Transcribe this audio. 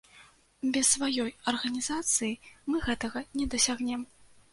Без сваёй арганізацыі мы гэтага не дасягнем.